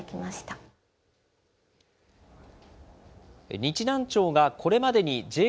日南町がこれまでにＪー